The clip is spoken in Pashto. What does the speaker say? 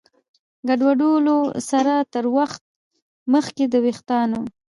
ګډوډولو سره تر وخت مخکې د ویښتانو